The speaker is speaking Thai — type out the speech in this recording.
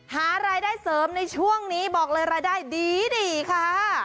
หารายได้เสริมในช่วงนี้บอกเลยรายได้ดีค่ะ